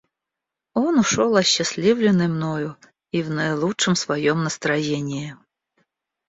Он ушел осчастливленный мною и в наилучшем своем настроении.